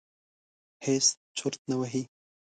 هېڅ چرت نه وهي.